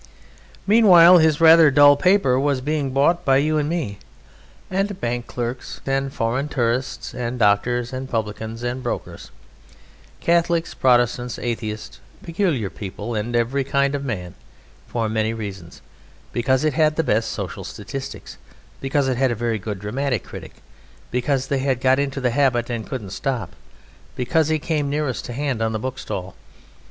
Meanwhile his rather dull paper was being bought by you and me, and bank clerks and foreign tourists, and doctors, and publicans, and brokers, Catholics, Protestants, atheists, "peculiar people," and every kind of man for many reasons because it had the best social statistics, because it had a very good dramatic critic, because they had got into the habit and couldn't stop, because it came nearest to hand on the bookstall.